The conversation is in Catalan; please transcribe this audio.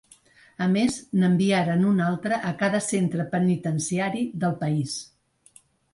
A més, n’enviaran un altre a cada centre penitenciari del país.